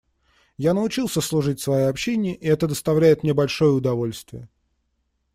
Я научился служить своей общине, и это доставляет мне большое удовольствие.